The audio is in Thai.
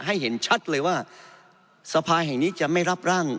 เห็นชัดเลยว่าสภาแห่งนี้จะไม่รับร่าง